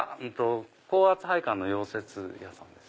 高圧配管の溶接屋さんです。